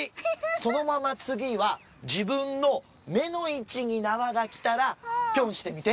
そのまま次は自分の目の位置になわがきたらぴょんしてみて。